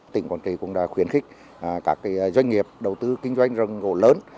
tỉnh quảng trị cũng đã khuyến khích các doanh nghiệp đầu tư kinh doanh rừng gỗ lớn